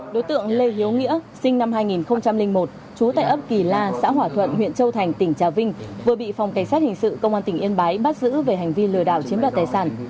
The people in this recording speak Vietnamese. đối tượng lê hiếu nghĩa sinh năm hai nghìn một trú tại ấp kỳ la xã hỏa thuận huyện châu thành tỉnh trà vinh vừa bị phòng cảnh sát hình sự công an tỉnh yên bái bắt giữ về hành vi lừa đảo chiếm đoạt tài sản